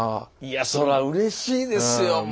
いやそらうれしいですよ